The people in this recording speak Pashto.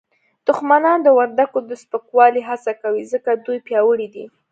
دښمنان د وردګو د سپکولو هڅه کوي ځکه دوی پیاوړي دي